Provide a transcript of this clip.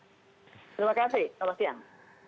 terima kasih selamat siang